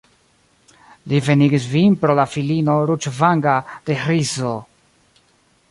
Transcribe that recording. Li venigis vin pro la filino ruĝvanga de Ĥrizo.